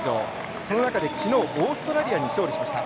その中できのうオーストラリアに勝利しました。